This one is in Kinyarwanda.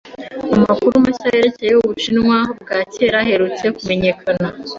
Amakuru mashya yerekeye Ubushinwa bwa kera aherutse kumenyekana.